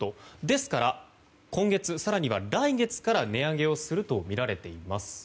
ですから今月、更には来月から値上げをするとみられています。